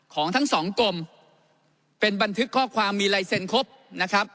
ของทั้งสองกรมเป็นบันทึกข้อความมีลายเซ็นครบนะครับ